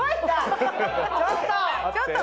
ちょっと！